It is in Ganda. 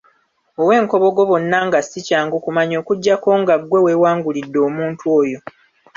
Ow'enkobogo bonna nga si kyangu kumanya okuggyako nga ggwe weewangulidde omuntu oyo.